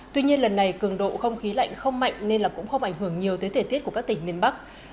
tuy nhiên lần này cường độ không khí lạnh không mạnh nên không ảnh hưởng nhiều tới thể tiết của các tỉnh miền bắc